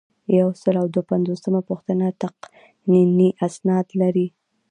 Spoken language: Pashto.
یو سل او دوه پنځوسمه پوښتنه تقنیني اسناد دي.